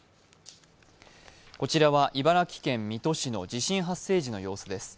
こちらは茨城県水戸市の地震発生時の様子です。